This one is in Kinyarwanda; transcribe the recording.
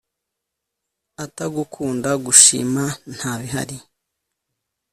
Atagukunda gushima ntabihari